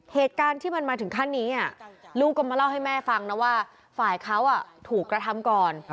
เหตุการณ์ที่มันมาถึงขั้นนี้ลูกก็มาเล่าให้แม่ฟังนะว่าฝ่ายเขาถูกกระทำก่อน